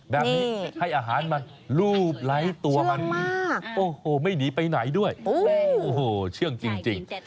แบบนี้ให้อาหารมันรูปไร้ตัวมันโอ้โหไม่หนีไปไหนด้วยโอ้โหเชื่องจริง